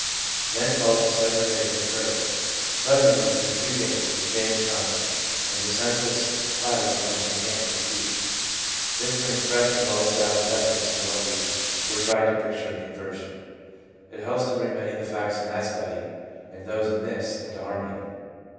Then follows a sudden rise in the curve. ' Sud denly, within a few days, the change comes, and the senseless clatter becomes intelligible speech.' This brings fresh and well established evidence to what we were trying to picture in conversion. It helps to bring many of the facts in that study and those in this into harmony.